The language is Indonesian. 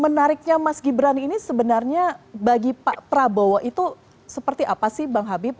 menariknya mas gibran ini sebenarnya bagi pak prabowo itu seperti apa sih bang habib